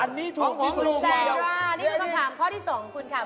แซนล่านี่คือสังธารณ์ข้อที่สองของคุณค่ะ